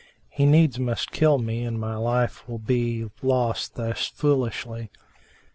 he needs must kill me and my life will be lost thus foolishly."